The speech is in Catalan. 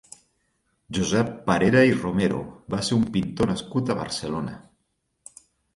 Josep Parera i Romero va ser un pintor nascut a Barcelona.